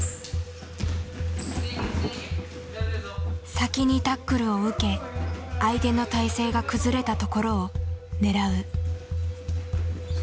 先にタックルを受け相手の体勢が崩れたところを狙う。